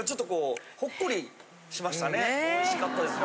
おいしかったですね